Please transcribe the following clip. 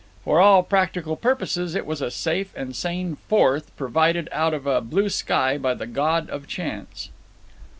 For all practical purposes, it was a safe and sane Fourth provided out of a blue sky by the god of chance.